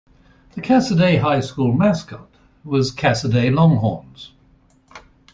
The Cassoday High School mascot was Cassoday Longhorns.